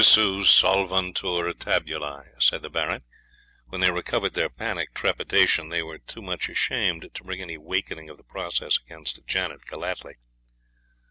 'Risu solvuntur tabulae,' said the Baron; 'when they recovered their panic trepidation they were too much ashamed to bring any wakening of the process against Janet Gellatley.'